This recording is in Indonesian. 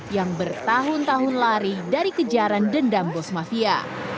yang bertahun tahun lari dari kejaran dendam bos mafia